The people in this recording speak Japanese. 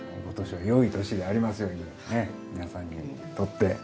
今年もよい年でありますようにね皆さんにとって。